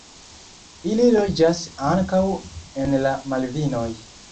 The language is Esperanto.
Ili loĝas ankaŭ en la Malvinoj.